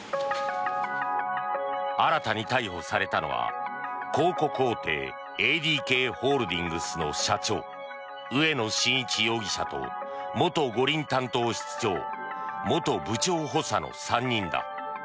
新たに逮捕されたのは広告大手ＡＤＫホールディングスの社長植野伸一容疑者と元五輪担当室長元部長補佐の３人だ。